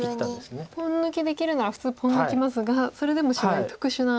ポン抜きできるなら普通ポン抜きますがそれでもしない特殊な。